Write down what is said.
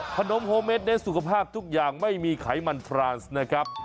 โฮเมดในสุขภาพทุกอย่างไม่มีไขมันพรานซ์นะครับ